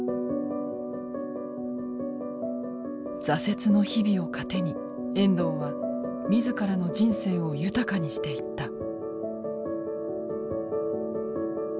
挫折の日々を糧に遠藤は自らの人生を豊かにしていった。